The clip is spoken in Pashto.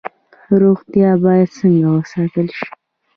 روغتیا باید څنګه وساتل شي؟